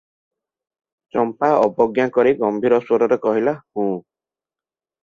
ଚମ୍ପା ଅବଜ୍ଞା କରି ଗମ୍ଭୀର ସ୍ୱରରେ କହିଲା, "ହୁଁ" ।